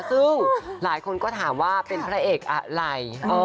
ซึ่งหลายคนก็ถามว่าเป็นพระเอกอะไร